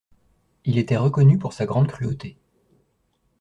Il était reconnu pour sa grande cruauté.